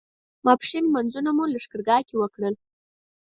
ماسپښین لمونځونه مو لښکرګاه کې وکړل.